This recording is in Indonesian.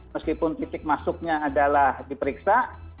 meskipun titik masuknya adalah diperiksa